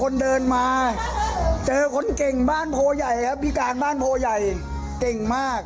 นี่มัก่งไปคอนเดิน